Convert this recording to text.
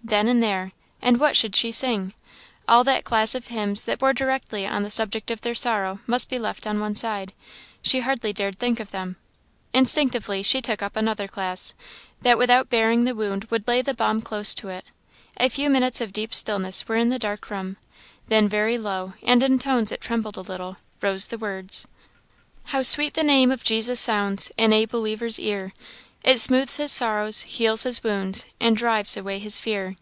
then and there! And what should she sing? All that class of hymns that bore directly on the subject of their sorrow must be left on one side; she hardly dared think of them. Instinctively she took up another class, that without baring the wound would lay the balm close to it. A few minutes of deep stillness were in the dark room; then very low, and in tones that trembled a little, rose the words "How sweet the name of Jesus sounds In a believer's ear! It smoothes his sorrows, heals his wounds, And drives away his fear."